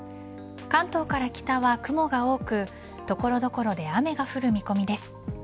関東から北は雲が多く所々で雨が降る見込みです。